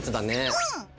うん。